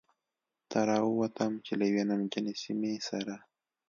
ته را ووتم، چې له یوې نمجنې سیمې سره.